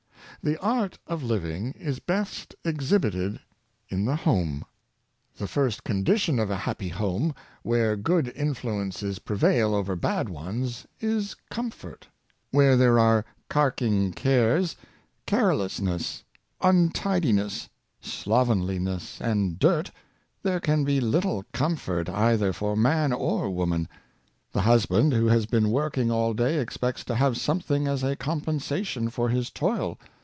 The art of living is best exhibited in the home. The Home and Comfort, 17 lirst condition of a happy home, where good influences prevail over bad ones, is comfort. Where there are carking cares, querulousness, untidiness, slovenHness, and dirt, there can be little comfort either for man or woman. The husband who has been working all day expects to have something as a compensation for his toil.